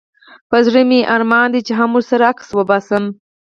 په زړه مي ارمان چي زه هم ورسره عکس وباسم